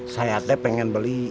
saya pengen beli